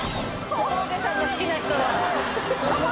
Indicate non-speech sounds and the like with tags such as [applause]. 小峠さんが好きな人だ [laughs]